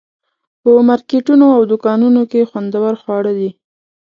په مارکیټونو او دوکانونو کې خوندور خواړه دي.